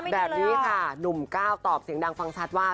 แบบนี้ค่ะหนุ่มก้าวตอบเสียงดังฟังชัดว่า